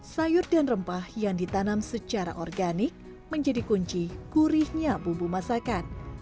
sayur dan rempah yang ditanam secara organik menjadi kunci gurihnya bumbu masakan